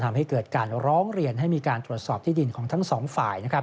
ทำให้เกิดการร้องเรียนให้มีการตรวจสอบที่ดินของทั้งสองฝ่าย